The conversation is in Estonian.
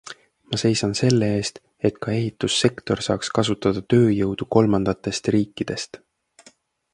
Ma seisan selle eest, et ka ehistussektor saaks kasutada tööjõudu kolmandatatest riikidest.